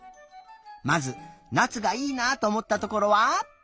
まずなつがいいなとおもったところは？